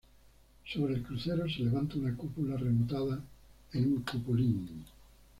Sobre el crucero se levanta una cúpula rematada en un cupulín.